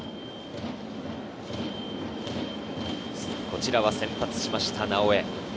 こちらは先発した直江。